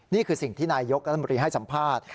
ที่นายกรัฐมนตรีให้สัมภาษณ์